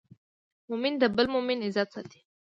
مؤمن د بل مؤمن عزت ساتي.